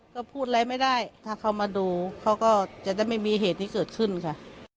ก็พูดอะไรไม่ได้ถ้าเขามาดูเขาก็จะได้ไม่มีเหตุนี้เกิดขึ้นค่ะ